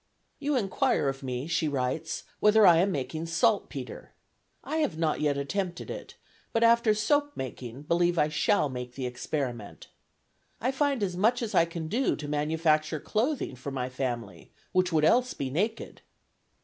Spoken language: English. "You inquire of me," she writes, "whether I am making saltpetre. I have not yet attempted it, but after soap making believe I shall make the experiment. I find as much as I can do to manufacture clothing for my family, which would else be naked."